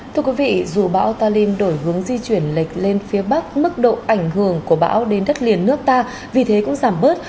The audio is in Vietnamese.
thưa quý vị dù bão talim đổi hướng di chuyển lệch lên phía bắc mức độ ảnh hưởng của bão đến đất liền nước ta vì thế cũng giảm bớt